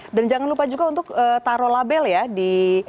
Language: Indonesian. cuka dan jangan lupa juga untuk taruh label ya di spraynya